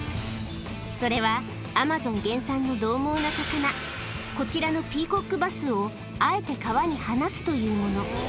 それは、アマゾン原産のどう猛な魚、こちらのピーコックバスをあえて川に放つというもの。